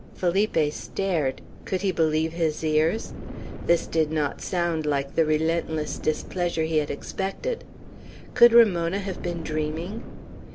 Felipe stared. Could he believe his ears? This did not sound like the relentless displeasure he had expected. Could Ramona have been dreaming?